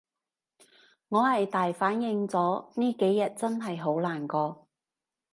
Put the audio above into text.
我係大反應咗，呢幾日真係好難過